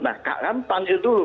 nah kak kan panggil dulu